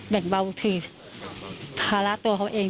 แบ่งเบาทีภาระตัวเขาเอง